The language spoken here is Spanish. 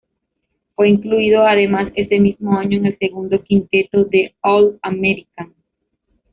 Fue incluido además ese mismo año en el segundo quinteto del All-American.